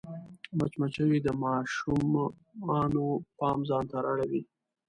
مچمچۍ د ماشومانو پام ځان ته رااړوي